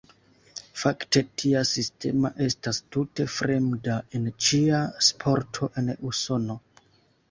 Fakte, tia sistema estas tute fremda en ĉia sporto en Usono.